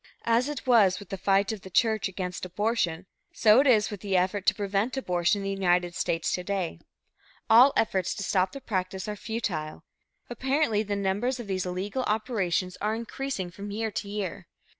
As it was with the fight of the church against abortion, so it is with the effort to prevent abortion in the United States to day. All efforts to stop the practice are futile. Apparently, the numbers of these illegal operations are increasing from year to year.